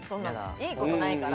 いいことないから。